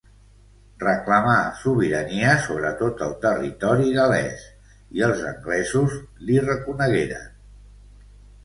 Reclamà sobirania sobre tot el territori gal·lès, i els anglesos li reconegueren.